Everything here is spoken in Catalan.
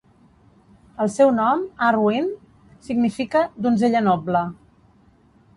El seu nom "Ar-wen" significa "donzella noble",